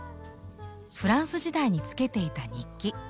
フランス時代につけていた日記。